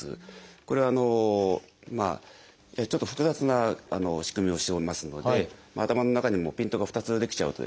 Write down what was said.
これはちょっと複雑な仕組みをしておりますので頭の中にもピントが２つ出来ちゃうとですね